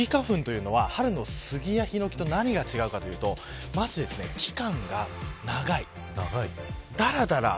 秋花粉というのは春のスギやヒノキと何が違うかというと期間が長いです。